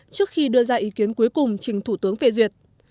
trước khi đưa ra ý kiến cuối cùng trình thủ tướng phê duyệt